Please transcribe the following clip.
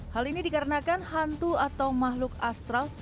hal ini dikarenakan hantu atau makhluk astral